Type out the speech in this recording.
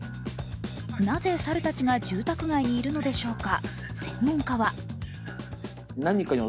なぜ、猿たちが住宅街にいるのでしょうか。